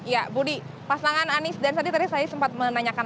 ya budi pasangan anies dan sandi tadi saya sempat menanyakan